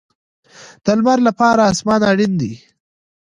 د لمر لپاره اسمان اړین دی